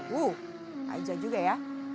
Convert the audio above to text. wuh aja juga ya